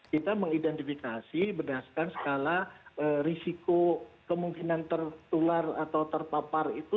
kita mengidentifikasi berdasarkan skala risiko kemungkinan tertular atau terpapar itu